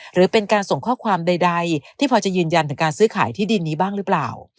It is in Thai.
หรือเป็นการส่งข้อความใดที่พอจะยืนยันถึงการซื้อขายที่ดินนี้บ้างหรือเปล่า